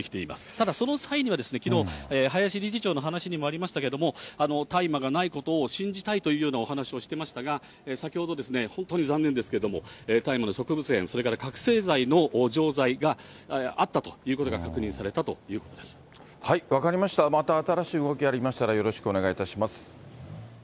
ただ、その際には、きのう、林理事長の話にもありましたけれども、大麻がないことを信じたいというようなお話をしてましたが、先ほど本当に残念ですけれども、大麻の植物片、それから覚醒剤の錠剤があったということが確認されたということ分かりました、また新しい動きがありましたらよろしくお願いいたします。